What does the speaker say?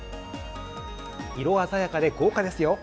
色鮮やかで豪華ですよ。